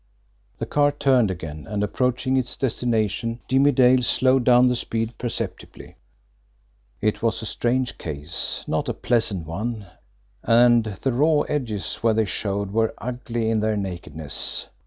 The car turned again, and, approaching its destination, Jimmie Dale slowed down the speed perceptibly. It was a strange case, not a pleasant one and the raw edges where they showed were ugly in their nakedness.